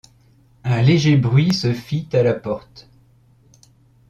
Un léger bruit se fit à la porte.